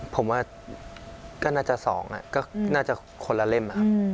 ผมว่าน่าจะสองน่าจะคนละเล่ม